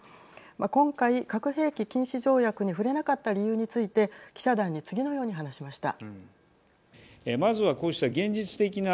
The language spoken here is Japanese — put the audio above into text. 今回、核兵器禁止条約に触れなかった理由について記者団に次のように話しました。